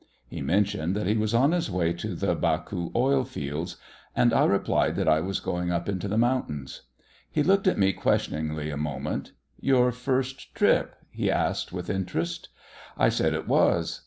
He mentioned that he was on his way to the Baku oilfields, and I replied that I was going up into the mountains. He looked at me questioningly a moment. "Your first trip?" he asked with interest. I said it was.